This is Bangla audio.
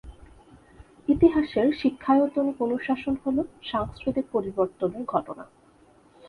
ইতিহাসের শিক্ষায়তনিক অনুশাসন হল সাংস্কৃতিক পরিবর্তনের ঘটনা।